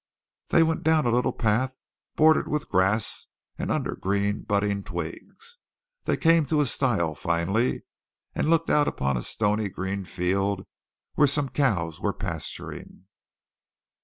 They went down a little path bordered with grass and under green budding twigs. It came to a stile finally and looked out upon a stony green field where some cows were pasturing.